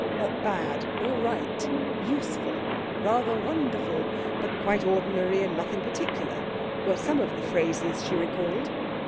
Not bad, all right, useful, rather wonderful, but quite ordinary and nothing particular, were some of the phrases she recalled.